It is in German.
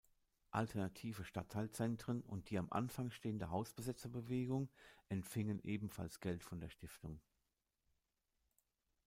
Alternative Stadtteilzentren und die am Anfang stehende Hausbesetzerbewegung empfingen ebenfalls Geld von der Stiftung.